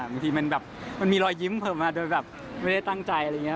บางทีมันแบบมันมีรอยยิ้มเพิ่มมาโดยแบบไม่ได้ตั้งใจอะไรอย่างนี้